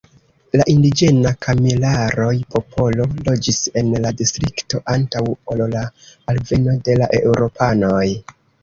La indiĝena Kamilaroj-popolo loĝis en la distrikto antaŭ ol la alveno de la eŭropanoj.